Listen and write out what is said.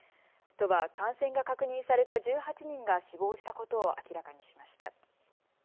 都は感染が確認された１８人が死亡したことを明らかにしました。